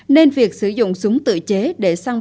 nên việc sử dụng súng tự chế để sang bán